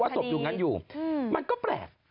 ซอบอะไรอยู่มันก็แปลก